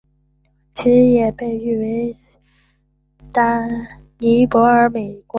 其也被誉为尼泊尔的国民美食。